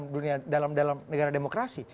dalam negara demokrasi